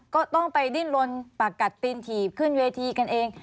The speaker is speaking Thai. ก็ต้องไปดิ้นลนปากกัดตีนถีบขึ้นเวทีกันเอง